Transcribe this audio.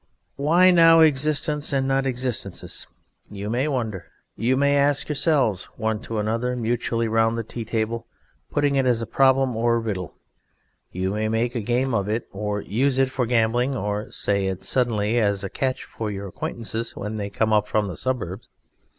Why now "existence" and not "existences"? You may wonder; you may ask yourselves one to another mutually round the tea table putting it as a problem or riddle. You may make a game of it, or use it for gambling, or say it suddenly as a catch for your acquaintances when they come up from the suburbs.